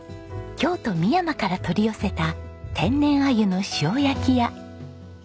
京都美山から取り寄せた天然鮎の塩焼きや。